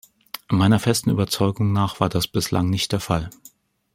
Meiner festen Überzeugung nach war das bislang nicht der Fall.